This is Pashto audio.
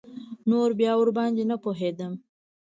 نور بيا ورباندې نه پوهېدم.